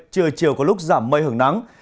trời chiều có lúc giảm mây hưởng nắng